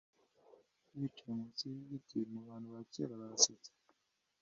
Yicaye munsi yigiti Mubantu bakera Barasetsa